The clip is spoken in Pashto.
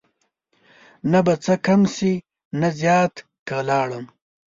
نه به څه کم شي نه زیات که لاړم